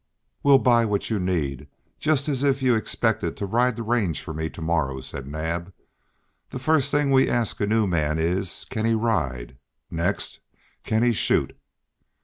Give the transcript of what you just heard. "We'll buy what you need, just as if you expected to ride the ranges for me to morrow," said Naab. "The first thing we ask a new man is, can he ride? Next, can he shoot?"